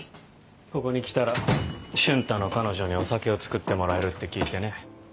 ここに来たら瞬太の彼女にお酒を作ってもらえるって聞いてね。